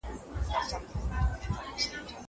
زه د کتابتوننۍ سره خبري کړي دي.